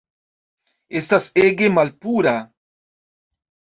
Estas ege malpura